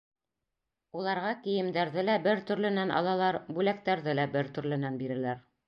Уларға кейәмдәрҙе лә бер төрлөнән алалар, бүләктәрҙе лә бер төрлөнән бирәләр...